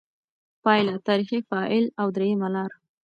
پایله: «تاریخي فاعل» او درېیمه لار